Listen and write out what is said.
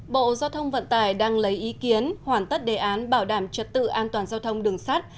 bộ giao thông vận tải đang lấy ý kiến hoàn tất đề án bảo đảm trật tự an toàn giao thông đường sắt